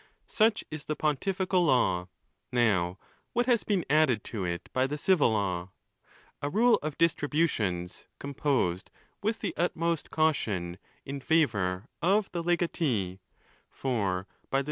Such is the pontifical law. Now what has been added to it by the civil law ?—a rule of distributions, composed with the utmost caution, in favour of the legatee; for by the.